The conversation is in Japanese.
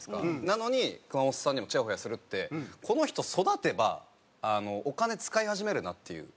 なのに熊元さんにもちやほやするってこの人育てばお金使い始めるなっていう。